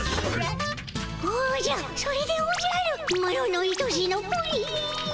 おじゃそれでおじゃるマロのいとしのプリン。